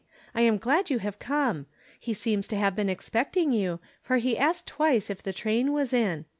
I am glad you have come. He seems to have been expecting you, for he asked twice if the train was in.